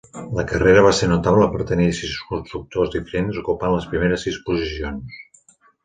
La carrera va ser notable per tenir sis constructors diferents ocupant les primeres sis posicions.